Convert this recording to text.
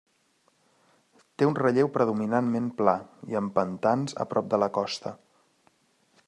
Té un relleu predominantment pla i amb pantans a prop de la costa.